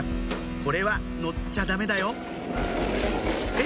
これは乗っちゃダメだよえっ